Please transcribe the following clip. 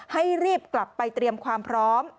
ให้รีบกลับไปเตรียมความพร้อม